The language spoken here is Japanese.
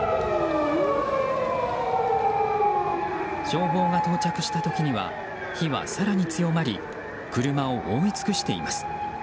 消防が到着した時には火は更に強まり車を覆い尽くしています。